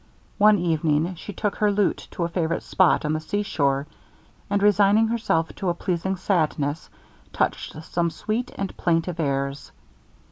One evening she took her lute to a favorite spot on the seashore, and resigning herself to a pleasing sadness, touched some sweet and plaintive airs.